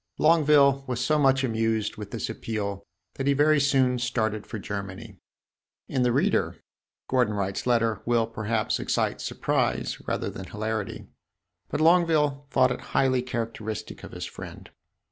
Longueville was so much amused with this appeal that he very soon started for Germany. In the reader, Gordon Wright's letter will, perhaps, excite surprise rather than hilarity; but Longueville thought it highly characteristic of his friend.